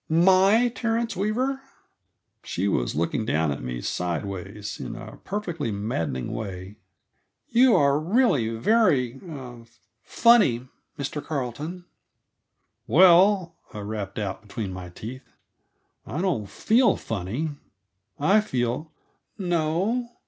"My Mr. Terence Weaver?" She was looking down at me sidewise, in a perfectly maddening way. "You are really very er funny, Mr. Carleton." "Well," I rapped out between my teeth, "I don't feel funny. I feel " "No?